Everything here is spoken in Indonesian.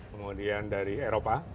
kemudian dari eropa